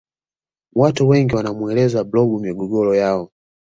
watu wengi wanamuelezea blob migogoro yao